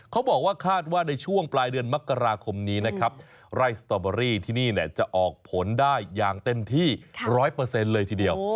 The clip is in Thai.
เขาบอกว่าคาดว่าในช่วงปลายเดือนมกราคมนี้นะครับไร่สตอเบอรี่ที่นี่จะออกผลได้อย่างเต็มที่๑๐๐เลยทีเดียว